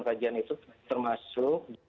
kajian itu termasuk